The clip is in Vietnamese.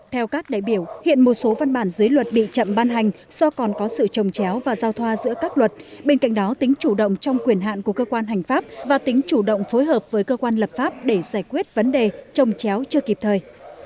theo các đại biểu hiện một số văn bản dưới luật bị chậm ban hành do còn có sự trồng chéo và giao thoa giữa các luật bên cạnh đó tính chủ động trong quyền hạn của cơ quan hành pháp và tính chủ động phối hợp với cơ quan lập pháp để giải quyết vấn đề trồng chéo chưa kịp thời